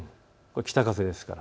北風ですから。